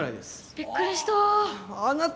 びっくりした。